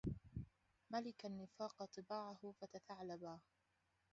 ملك النفاق طباعه فتثعلبا